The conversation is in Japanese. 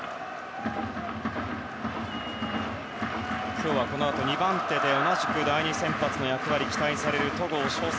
今日はこのあと２番手で同じく第２先発の役割が期待される戸郷翔征